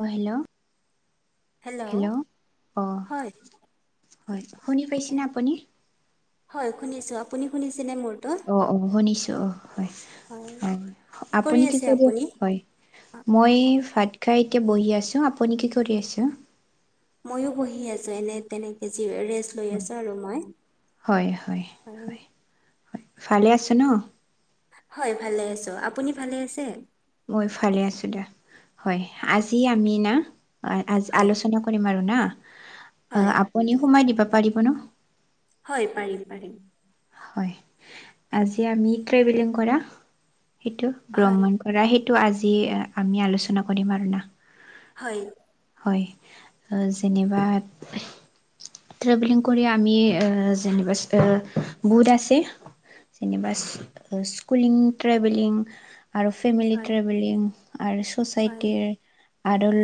অ' hello? Hello অ', হয় হয়, শুনি পাইছেনে আপুনি? হয় শুনিছো, আপুনি শুনিছেনে মোৰতো? অ' অ' শুনিছো, হয়, অ' আপুনি কি কৰি, হয়। মই ভাত খাই এতিয়া বহি আছোঁ। আপুনি কি কৰি আছে? মইও বহি আছো, এনে তেনে যি ৰেচ লৈ আছো আৰু মই, হয়। ভালে আছে ন? হয় ভালে আছোঁ, আপুনি ভালে আছে? মই ভালে আছো দা, হয়, আজি আমি না হয় আলোচনা কৰিম আৰু না, অ' হয় আপুনি সময় দিব পাৰিব ন? হয়, পাৰিম, পাৰিম। হয়, আজি আমি ট্ৰেভেলিং কৰা, সেইটো হয় ভ্ৰমণ কৰা সেই টো আজি আমি আলোচনা কৰিম আৰু না। হয়। হয়, যেনিবা ট্ৰেভেলিং কৰি আমি যেনিবা, বুট আছে। যেনিবা স্কুলিং ট্ৰেভেলিং। আৰু ফেমিলি হয় ট্ৰেভেলিং, আৰু হয় চচাইটিৰ। আদল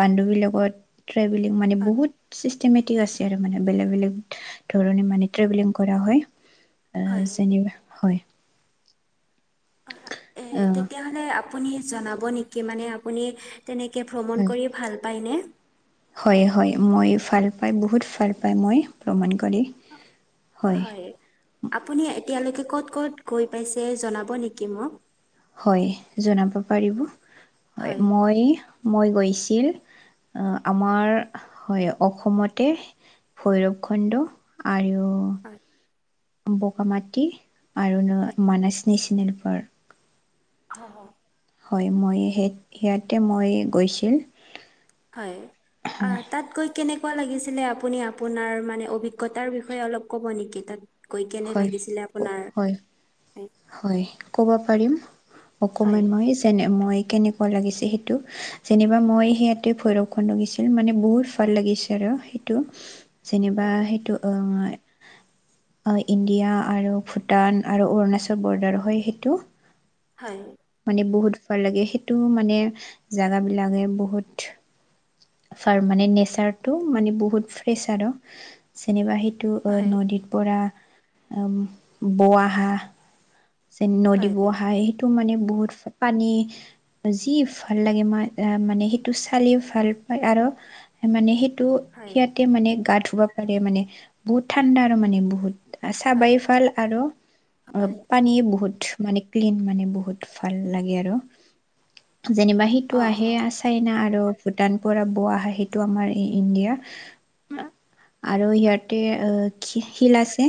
বান্ধৱী লগত, ট্ৰেভেলিং মানে বহুত চিষ্টেমে আছে আৰু মানে, বেলেগ বেলেগ ধৰণে মানে ট্ৰেভেলিং কৰা হয়। অ' হয় যেনিবা হয়। এ তেতিয়াহ'লে আপুনি জনাব নেকি, মানে আপুনি তেনেকে ভ্ৰমণ হয় কৰি ভাল পায়নে? হয়, হয়, মই ভাল পাই, বহুত ভাল পাই মই ভ্ৰমণ কৰি। হয়, আপুনি এতিয়ালৈকে ক'ত, ক'ত গৈ পাইছে, জনাব নেকি মোক? হয়, জনাব পাৰিব, হয়, মই মই গৈছিল, আমাৰ হয় অসমতে। ভৈৰৱ খণ্ড আৰু হয়। বগামাটি আৰু ন হয় মানছ নেচনেল পাৰ্ক। হ, হ। হয়, মই সেই সিয়াতে মই গৈছিল। হয়, আ তাত গৈ কেনেকুৱা লাগিছিলে, আপুনি আপোনাৰ মানে অভিজ্ঞতাৰ বিষয়ে অলপ ক'ব নেকি? তাত গৈ কেনে হয় লাগিছিলে আপোনাৰ? হয় হয়, কব পাৰিম। হয় অকমান মই, যেনে মই, কেনে। লাগিছে সেইটো, যেনিবা মই সেইয়াতে ভৈৰৱ খণ্ড গেছিল, মানে বহুত ভাল লাগিছে আৰু সেইটো। যেনিবা হয় সেইটো অ'। ইণ্ডিয়া আৰু ভূটান আৰু অৰুণাচল বৰ্ডাৰ হয় সেইটো। হয়। মানে বহুত ভাল লাগে সেইটো মানে জাগা বিলাকে বহুত- ফাৰ মানে নেচাৰটো মানে বহুত ফ্ৰেছ আৰু যেনিবা সে টো আ নদীত পৰা বোৱা হা- যেন নদী হয় বহা সেইটো মানে বহুত পানী- যি ভাল লাগে মই আহ মানে সেইটো চালি ভাল পায় আৰু- মানে সেইটো হয় সিয়াতে মানে গা ধুব পাৰে মানে বহুত ঠাণ্ডা আৰু মানে বহুত। আচা বাই ফাল আৰু অ হয় পানী বহুত মানে ক্লিন মানে বহুত। ভাল লাগে আৰু। যেনিবা অ সিটো আহে অ', আছ চাইনা আৰু ভূটান পৰা বোৱা হাঁ সেইটো আমাৰ ই ইণ্ডিয়া- আৰু হয় সিয়াতে অ শি শিল আছে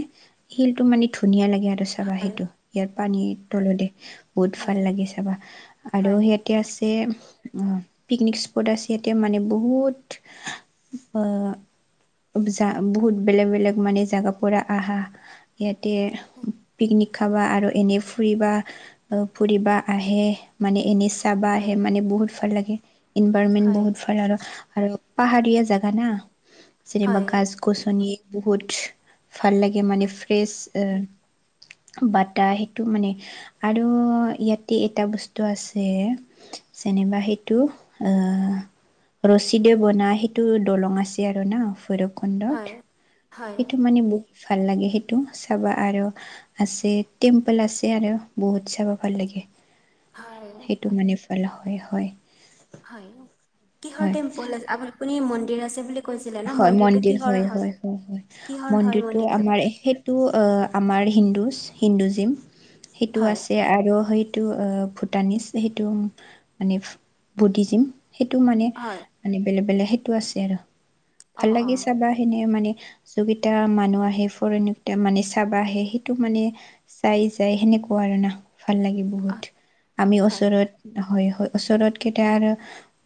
শিল টো মানে ধুনীয়া লাগে আৰু। চাবা হয় সেইটো ইয়াত পানীৰ তলে দি বহুত ভাল লাগে চাবা আৰু হয় সেট তে আছে উম পিকনিক স্পট আছে তে মানে বহুত- অ যা বহুত বেলেগ বেলেগ মানে জাগা পৰা আহা। ইয়াতে পিকনিক খাবা আৰু এনে ফুৰিবা। অ ফুৰিবা আহে মানে এনে চাবা আহে মানে বহুত ভাল লাগে। ইনভাৰমেন্ হয় বহুত ভাল আৰু আৰু পাহাৰীয়া জাগা না, যেনিবা গছ- গছনি বহুত ভাল লাগে মানে, ফ্ৰেছ- এ বটা সেইটো মানে- আৰু ইয়াতে এটা বস্তু আছে। যেনিবা সেইটো অ ৰছীদে বনাই সেইটো দলং আছে আৰু ন, ফোৰৱ কন্দত, সেইটো মানে ব ভাল লাগে সেইটো চাবা আৰু আছে টেম্পল আছে আৰু। বহুত চাব ভাল লাগে। হয়। সেইটো মানে ফালা হয়, হয়। হয় কিহৰ হয় টেম্পল আছে, আপুনি মন্দিৰ আছে বুলি- কৈছিলে ন হয় মন্দিৰটো মন্দিৰ কিহৰ হয়, হয়, হয়, হয় কিহৰ হয় মন্দিৰটো আমাৰ সে টো অ আমাৰ হিন্দুজ হিন্দুজিম, সেইটো হয় আছে আৰু সেই সেটো অ ভূটানিজ সেইটো মানে বুদ্ধিজিম, সেইটো মানে- হয় মানে বেলেগ বেলেগ সেইটো আছে আৰু অ ভাল অ লাগি চাবা। তেনে মানে যোনগিটা মানুহ আহে ফৰেন মানে চাবা আহে সেইটো মানে- চাই যাই সেনেকুৱা আৰু না, ভাল লাগে বহুত আমি ওচৰত- হয়, হয় ওচৰত কেইটা আৰ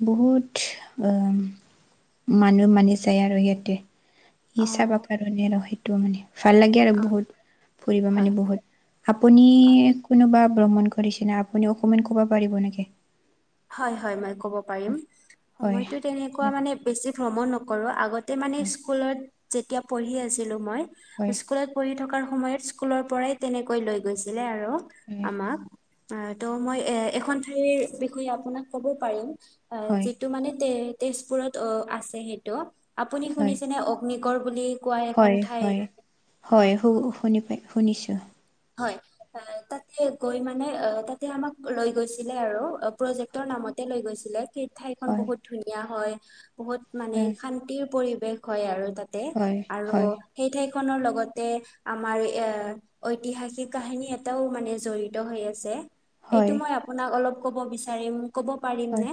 বহুত অ মানুহ মানে যায় আৰু সেইটোৱে ই চাব কাৰণে আৰু সেইটো মানে। ভাল লাগে আৰু বহুত, ফুৰিব হয় মানে বহুত। আপুনি কোনোবা ভ্ৰমণ কৰিছে ন আপুনি অকমান কব পাৰিব নেকি? হয়, হয় মই ক'ব পাৰিম, হয় মইতো তেনেকুৱা মানে বেছি ভ্ৰমণ নকৰোঁ, আগত- মানে স্কুলত যেতিয়া পঢ়ি আছিলো মই, হয় স্কুলত- পঢ়ি থকাৰ সময়ত স্কুলৰ পৰাই তেনেকৈ লৈ গৈছিলে আৰু হয় আমাক। অ ত' মই এ এখন ঠাইৰ বিষয়ে আপোনাক ক'ব পাৰিম হয় যিটো মানে তে তেজপুৰত অ আছে সেইটো, আপুনি হয় শুনিছেনে অগ্নিগড় বুলি। কোৱা এখন হয়, ঠাই হয়, হয় শু শুনি পাই শুনিছো। হয়। হয় তাতে গৈ মানে অহ তাতে আমাক লৈ গৈছিলে আৰু প্ৰজেক্টৰ নামতে লৈ গৈছিলে! সেই ঠাইখন হয়, বহুত ধুনীয়া হয় বহুত মানে হয়, শান্তিৰ পৰিৱেশ হয় আৰু তাত। তে হয়, আৰু হয়, সেই ঠাইখনৰ লগতে আমাৰ এ ঐ ঐতিহাসিক কাহিনী এটাও মানে জড়িত হৈ আছে এইটো হয়, মই আ আপোনাক অলপ ক'ব বিচাৰিম। ক'ব পাৰি হয়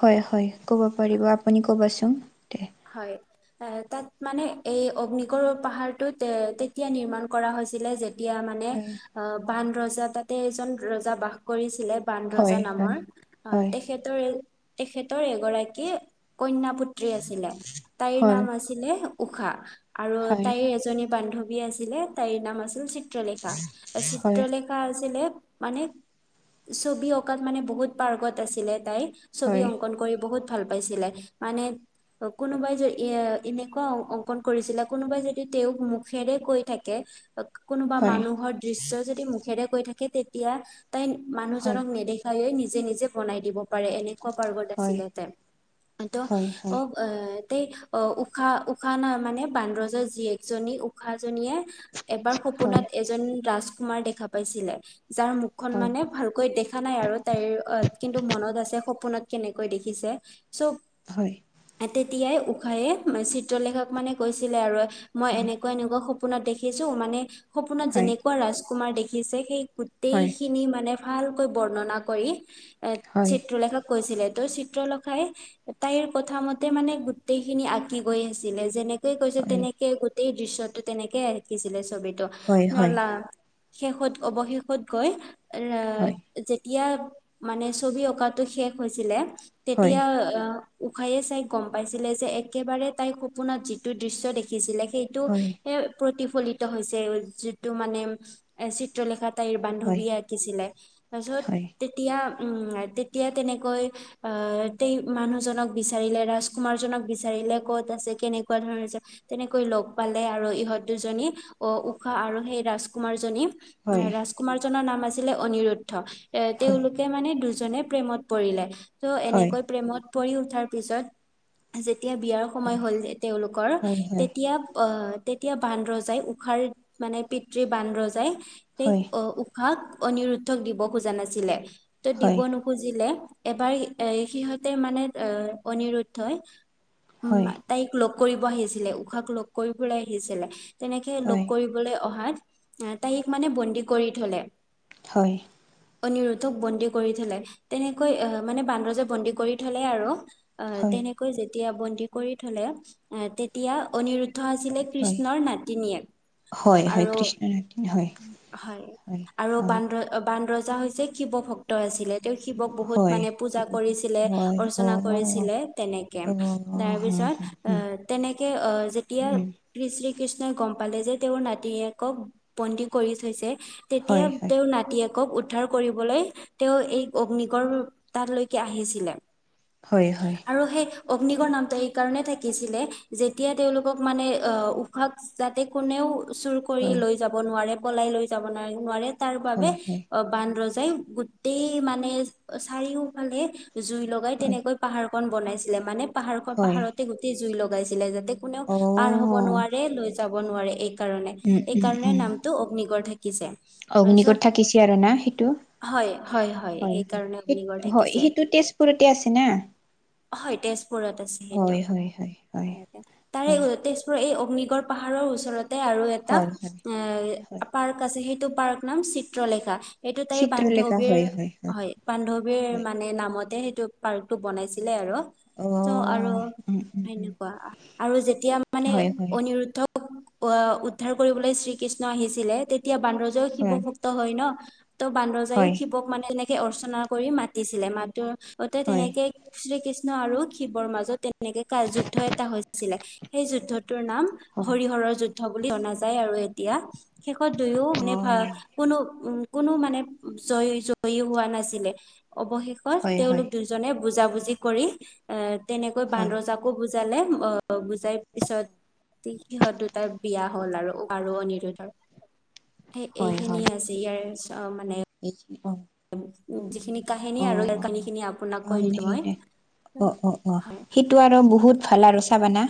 হয় হয় ক'ব পাৰিব আপুনি ক'বাচোন? দে। হয়। হয় তাত মানে এই অগ্নিগড় পাহাৰটোত তেতিয়া নিৰ্মাণ কৰা হৈছিলে যেতি তেতিয়া মানে হয়, অহ বানৰজা তাতে এজন ৰজা বাস কৰিছিলে। বানৰজা হয়, নামৰ হয়। অহ হয়, তেখেতৰ তেখেতৰ এগৰাকী কন্যা পুএ পুত্ৰী আছিলে তাইৰ হয়, নাম আছিলে উষা আৰু হয়, তাইৰ এজনী বান্ধৱী বান্ধৱী আছিলে তাইৰ নাম আছিল চিত্ৰলেখা হয়, চিত্ৰলেখা তাৰ আছিলে মানে ছবি অঁকাত মানে বহুত পাৰ্গত আছিলে তাই ছবি হয়, অংকন কৰি বহুত ভাল পাইছিলে মানে কোনোবাই যে এ এনেকুৱা অ অংকন কৰিছিলে কোনোবাই যদি তেওঁক মুখেৰে কৈ থাকে হয়, কোনোবা হয়, মানুহৰ দৃশ্য যদি মুখেৰে কৈ থাকে তেতিয়া তাই হয়। মানুহজনক নেদেখে তাই নিজে নিজে বনাই দিব পাৰে এনেকুৱা পাৰ্গত হয়, আছিলে তাই একদম অ হয়, অ তে অহ উষাহ উষাহ না মানে বানৰজা জীয়েকজনী উষাহ জনীয়ে এবাৰ হয়, সপোনত এজন ৰাজকুমাৰ দেখা পাইছিলে যাৰ মুখখন হয়, মানে ভালকৈ দেখ দেখা নাই আৰু তাই অহ কিন্তু মনত আছে সপোনত কেনেকৈ দেখিছে চৱ হয় তেতিয়াই উষায়ে চিত্ৰলেখাক মানে কৈছিলে আৰু মই এনেকুৱা এনেকুৱা সপোন সপোনত দেখিছো মানে সপোনত হয়, যেনেকুৱা ৰাজকুমাৰ দেখিছে সেই হয়, গোটেইখিনি মানে ভালকৈ বৰ্ণনা কৰি এ হয়, চিত্ৰলেখাক কৈছিলে তহ চিত্ৰলেখাই তাইৰ কথা মতে তাই মানে গোটেই খিনি আঁকি গৈ আছিলে যেনেকে কৈছে তেনেকে গোটেই দৃশ্যটো তেনেকে আকিঁছিলে ছবিতো হয়, হয়। হয়, হয়, হয়, [unintelligible] শেষত অৱশেষত গৈ এৰাই যেতিয়া মানে ছবি অঁকাটো শেষ হৈছিলে হয়, তেতিয়া আহ উষায়ে চাই গম পাইছিলে যে একেবাৰে তাইৰ সপোনত যিটো দৃশ্য দেখিছিলে সেই সেইটো প্ৰতিফলিত হৈছে যিটো মানে এ চিত্ৰলেখাই তাইৰ হয়, বান্ধৱীয়ে আঁকিছিলে তাৰপিছত তেতিয়া উম তেতিয়া তেনেকৈ আহ তেই মানুহজনক বিচাৰিলে ৰাজকুমা কুমাৰজনক বিচাৰিলে ক'ত আছে কেনেকুৱা ধৰণৰ আছে। তেনেকৈ লগ পালে আৰু ইহঁত দুজনী আহ উষাহ আৰু সেই ৰাজকুমাৰ জনী অহ হয়, ৰাজকুমাৰজনৰ নাম আছিলে অনিৰুদ্ধ এ হয়, তেওঁলোকে সিহঁতে মানে দুজনে প্ৰেমত পৰিলে তো হয়। এনেকৈ প্ৰেমত পৰি উঠাৰ পিছত। যেতিয়া বিয়াৰ সময় হয়, হ'ল তেওঁলোকৰ হয় হয় তেতিয়া আহ তেতিয়া বানৰজাই উষাৰ মানে পিতৃ বানৰজাই যায় তেওঁক হয় উ উষাক অনিৰুদ্ধক দিব খোজা নাছিলে ত দিব হয় নোখোজা বুজিলে এবাৰ এ সিহঁতে মানে এ অনিৰুদ্ধেই উম তাইক লগ কৰিব আহিছিলে উষাক লগ কৰিবলৈ আহিছিলে তেনেকে লগ হয় হয় কৰিব বোলে ফুৰিবলৈ অহাত তাইক মানে বন্দী কৰি থলে। হয়। অনিৰুদ্ধক বন্দী কৰি থলে। তেনেকৈ আহ মানে বানৰজাই বন্দী কৰি থলে আৰু। হয় তেনেকৈ যেতিয়া বন্দি কৰি থ'লে তেতিয়া অনিৰু [unintelligible] আছিলে হয় কৃষ্ণৰ নাতিনীয়েক হয় হয় আৰু কৃষ্ণ নাট্য হয় হয়। আৰু বান বান ৰজা হৈছে শিৱ ভক্ত। তই আছিলে তেওঁ শিৱক বহুত হয় মানে পূজা কৰিছিলে হয় অ অৰ্চনা কৰিছিলে। তেনেকে অ তাৰ হুম পিছত হুম আহ তেনেকে আহ যেতিয়া উম শ্ৰী শ্ৰী কৃষ্ণই গম পালে যে তেওঁৰ নাতিয়েকক বন্দী কৰি থৈছে। তেতিয়া হয় হয় তেওঁ নাতিয়ক, - তেওঁক উদ্ধাৰ কৰিবলৈ তেওঁ এই অগ্নিকড় তালৈকে আহিছিলে। হয়, হয়। আৰু সেই অগ্নিগড় নামটো সেইকাৰণে থাকিছিলে যেতিয়া তেওঁলোকক মানে অ'হ উশা যাতে কোনেও চুৰ কৰি হয় লৈ যাব নোৱাৰে। পলাই লৈ যাব নোৱাৰে তাৰ বাবে হয় হয় অ বান ৰজাই গোটেই মানে চাৰিওফালে জুই লগাই হয় তেনেকৈ পাহাৰ কন বনাইছিলে মানে পাহাৰখন হয় পাহাৰৰতে গোটেই জুই লগাইছিলে যাতে কোনেও অ পাৰ হব নোৱাৰে। লৈ যাব নোৱাৰে। এই কাৰণে উম এইকাৰণে নাম টো অগ্নিগড় থাকিছে। তাৰপিছত অগ্নিগড থাকিছে আৰু না সেইটো। হয়, হয়। সে- হয়, সেইটো তেজপুৰতে আছে না। হয় তেজপুৰত আছে সেইটো, হয় হয় হয় হয় তাই হয় তেজ- এই অগ্নিগড পাহাৰৰ ওচৰতে আৰু এটা হয় এ হয় এ পাৰ্ক আছে সেইটো পাৰ্কৰ নাম চিত্ৰলেখা। - সেইটো তাইৰ বান্ধৱীৰ হয়। বান্ধৱীৰ হয় মানে নামতে সেইটো পাৰ্কটো বনাইছিলে আৰু। অ চ আৰু উম উম উম সেনেকুৱা আৰু যেতিয়া মানে হয় হয় অনিৰুদ্ধ উদ্ধাৰ কৰিবলৈ শ্ৰীকৃষ্ণ আহিছিলে তেতিয়া বানৰজাও শিৱ হয় ভক্ত ত হয় ন ত বানৰজায়েও হয় শিৱক মানে এনেকে অৰ্চনা কৰি মাতিছিলে মাত অতে হয় তেনেকে। শ্ৰীকৃষ্ণ আৰু শিৱৰ মাজত তেনেকে কাড় যুদ্ধ এটা হৈছিলে সেই যুদ্ধটোৰ নাম হয় হৰিহৰৰ যুদ্ধ বুলি জনা যায় আৰু এতিয়া শেষত দুয়ো মানে অ কোনো কোনো মানে জয়ী জয়ী হোৱা নাছিলে, অৱশেষত হয় হয় তেওঁলোক দু জনে বুজা বুজি কৰি এ তেনেকৈ হয় বানাৰজাক- আকৌ বুজালে অ বুজাই পিছত ঠিক সিহঁত দুটাৰ বিয়া হ'ল আৰু ঊষা অনিৰুদ্ধৰ। হয় হয় এইখিনিয়ে আছে ইয়াৰ চ মানে এইখিনি অহ যিখিনি কাহিনী আৰু সেই কাহিনী খিনি আপোনাক অ কৈ সেইনে দিলোঁ মই, হয়। এইটো আৰু বহুত ভাল আৰু চাহানা।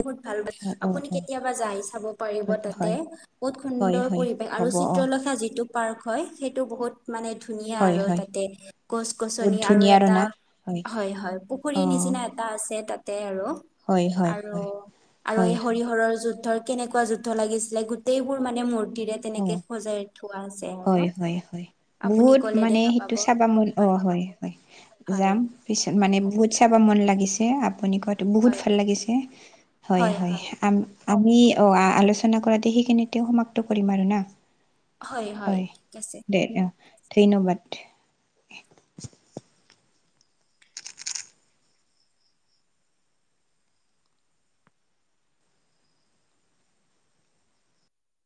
বহুত ভাল পাইছোঁ হয় অ আপুনি অ কেতিয়াবা যাই চাব পাৰিব তাতে। হয় বহুত হয় সুন্দৰ হয় পৰিৱেশ আৰু হ'ব অ চিত্ৰলেখা যিটো পাৰ্ক হয় সেইটো বহুত মানে ধুনীয়া হয় আৰু হয় তাতে গছ বহুত -গছনি আৰু ধুনীয়া এটা না হয় হয় অ পুখুৰীৰ নিচিনা এটা আছে তাতে আৰু। হয় হয়। আৰু, হয় আৰু এই হয় হয় হৰিহৰৰ যুদ্ধৰ কেনেকুৱা যুদ্ধ লাগিছিলে গোটেইবোৰ মানে মূৰ্তিৰে- তেনেকে অ সজাই থোৱা আছ- হয় হয় হয়, বহুত মানে দেখা পাব সেইটো চাবা মন। অ', হয় হয়, যাম। পিছত মানে বহুত চাবা মন লাগিছে। আপুনি ক'ত - তু বহুত ভাল লাগিছে। হয় হয়, আম- আমি অ' আলোচনা কৰাতে সেইখিনিতে সমাপ্ত কৰিম আৰু না। হয়, দে, অ', ধন্যবাদ।